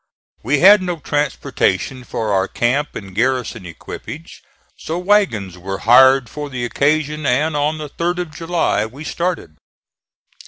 We had no transportation for our camp and garrison equipage, so wagons were hired for the occasion and on the 3d of July we started.